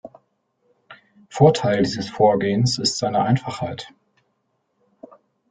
Vorteil dieses Vorgehens ist seine Einfachheit.